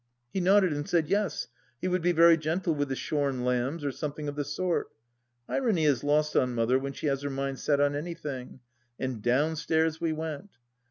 He nodded and said Yes, he would be very gentle with the shorn lambs, or something of the sort. Irony is lost on Mother when she has her mind set on anything, and down stairs we went.